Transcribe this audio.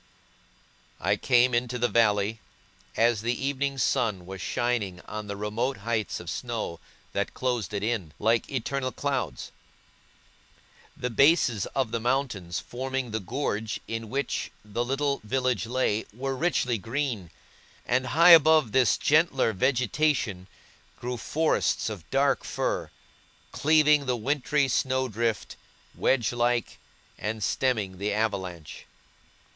I came into the valley, as the evening sun was shining on the remote heights of snow, that closed it in, like eternal clouds. The bases of the mountains forming the gorge in which the little village lay, were richly green; and high above this gentler vegetation, grew forests of dark fir, cleaving the wintry snow drift, wedge like, and stemming the avalanche.